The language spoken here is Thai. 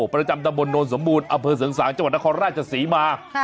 ประจำตะบนโนนสมบูรณ์อำเภอเสริงสางจังหวัดนครราชศรีมา